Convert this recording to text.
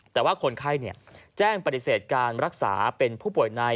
แต่ว่าคนไข้แจ้งปฏิเสธการรักษาเป็นผู้ป่วยใน